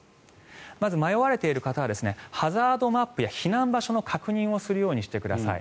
まず迷われている方はハザードマップや避難場所の確認をするようにしてください。